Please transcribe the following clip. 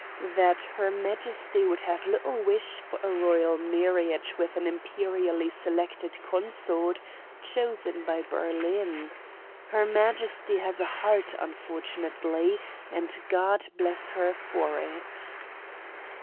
"That her Majesty would have little wish for a royal marriage with an imperially selected consort chosen by Berlin. Her Majesty has a heart, unfortunately, and God bless her for it."